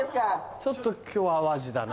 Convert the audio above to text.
ちょっと今日淡路だな。